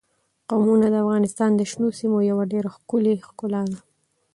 قومونه د افغانستان د شنو سیمو یوه ډېره ښکلې ښکلا ده.